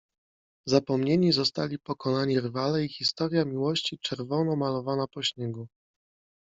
Zapomnieni zostali pokonani rywale i historia miłości czerwono malowana po śniegu.